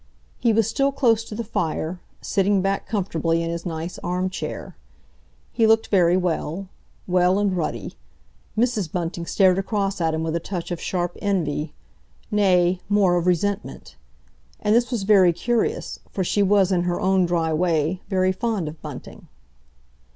He was still close to the fire, sitting back comfortably in his nice arm chair. He looked very well—well and ruddy. Mrs. Bunting stared across at him with a touch of sharp envy, nay, more, of resentment. And this was very curious, for she was, in her own dry way, very fond of Bunting.